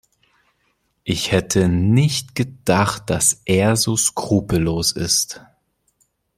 Ich hätte nicht gedacht, dass er so skrupellos ist.